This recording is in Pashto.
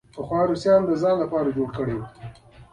پخوا روسانو د ځان لپاره جوړ کړی وو.